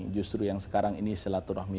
justru yang sekarang ini silaturahmi